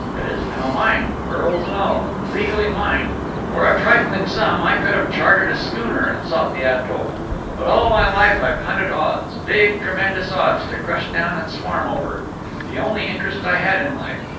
It is now mine, pearls and all, legally mine. For a trifling sum I could have chartered a schooner and sought the atoll. But all my life I've hunted odds big, tremendous odds to crush down and swarm over. The only interest I had in life.